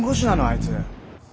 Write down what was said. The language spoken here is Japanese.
あいつ。